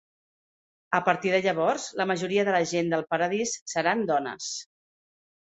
A partir de llavors, la majoria de la gent del Paradís seran dones.